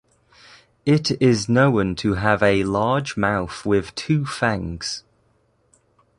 It is known to have a large mouth with two fangs.